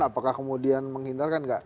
apakah kemudian menghindarkan